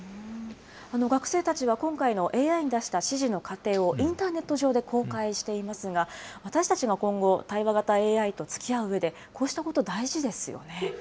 学生たちは今回のＡＩに出した指示の過程をインターネット上で公開していますが、私たちが今後、対話型ＡＩとつきあううえで、そうですね。